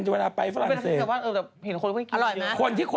แจ่วเลยไหมเอาแจ่วนะ